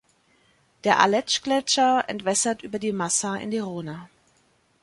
Der Aletschgletscher entwässert über die Massa in die Rhone.